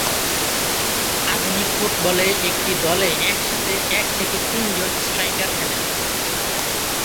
আধুনিক ফুটবলে একটি দলে একসাথে এক থেকে তিনজন স্ট্রাইকার খেলেন।